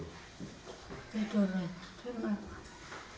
tidur di rumah di rumah